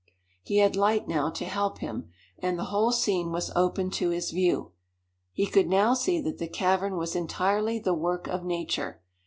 He had light now to help him, and the whole scene was open to his view. He could now see that the cavern was entirely the work of nature.